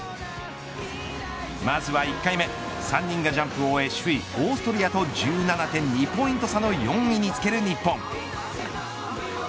まずは１回目３人がジャンプを終え首位オーストリアと１７．２ポイント差の４位につける日本。